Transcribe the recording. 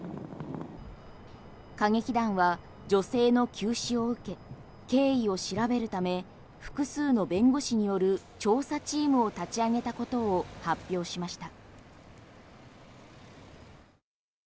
歌劇団は女性の急死を受け経緯を調べるため複数の弁護士による調査チームを立ち上げたことを発表しました。